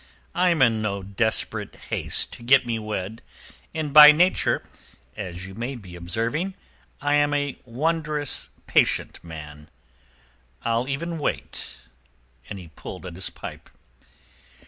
I am in no desperate haste to get me wed, and by nature—as you may be observing—I am a wondrous patient man. I'll even wait," And he pulled at his pipe.